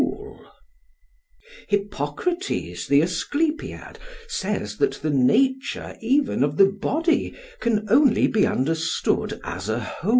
PHAEDRUS: Hippocrates the Asclepiad says that the nature even of the body can only be understood as a whole.